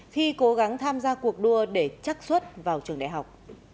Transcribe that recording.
khi cố gắng tham gia cuộc đua để chắc xuất vào trường đại học